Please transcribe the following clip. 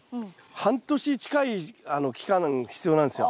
半年近い期間必要なんですよ。